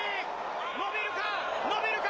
伸びるか伸びるか。